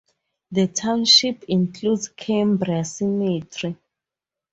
The township includes Cambria Cemetery.